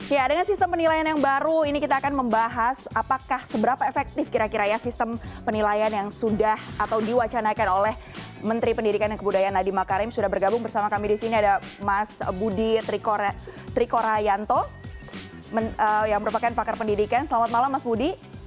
ya dengan sistem penilaian yang baru ini kita akan membahas apakah seberapa efektif kira kira ya sistem penilaian yang sudah atau diwacanakan oleh menteri pendidikan dan kebudayaan nadiem makarim sudah bergabung bersama kami di sini ada mas budi trikora hayanto yang merupakan pakar pendidikan selamat malam mas budi